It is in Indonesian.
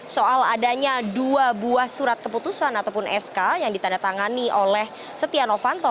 soal adanya dua buah surat keputusan ataupun sk yang ditandatangani oleh setia novanto